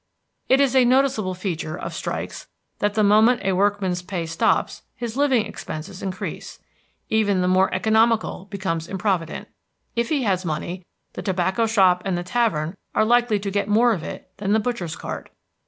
It is a noticeable feature of strikes that the moment the workman's pay stops his living expenses increase. Even the more economical becomes improvident. If he has money, the tobacco shop and the tavern are likely to get more of it than the butcher's cart.